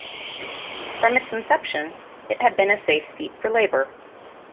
From its inception, it had been a safe seat for Labor.